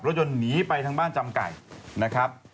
ยนต์หนีไปทางบ้านจำไก่นะครับ